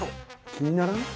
気にならん？